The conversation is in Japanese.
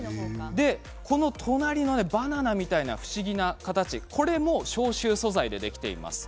隣のものはバナナみたいな不思議な形これも消臭素材でできています。